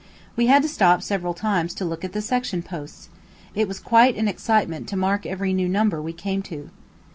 We had to stop several times to look at the section posts, it was quite an excitement to mark every new number we came to.